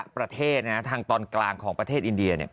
ประเทศทางตอนกลางของประเทศอินเดีย